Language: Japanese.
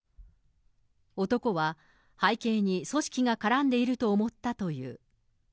男は、背景に組織が絡んでいると思ったという。